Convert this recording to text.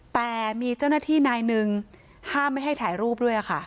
แต่มีเจ้าหน้าที่นายหนึ่งห้ามไม่ให้ถ่ายรูปด้วยค่ะ